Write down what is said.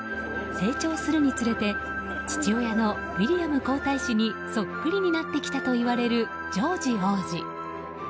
成長するにつれて父親のウィリアム皇太子にそっくりになってきたといわれるジョージ王子。